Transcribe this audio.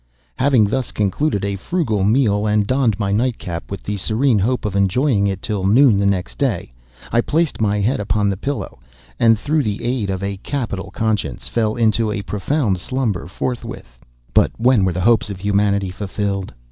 Having thus concluded a frugal meal, and donned my night cap, with the serene hope of enjoying it till noon the next day, I placed my head upon the pillow, and, through the aid of a capital conscience, fell into a profound slumber forthwith. But when were the hopes of humanity fulfilled?